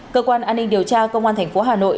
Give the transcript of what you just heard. cơ quan an ninh điều tra công an tp hà nội